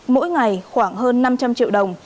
mỗi ngày khoảng hơn năm trăm linh triệu đồng